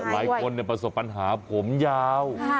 หลายคนเนี่ยประสบแปรปัญหาผมยาว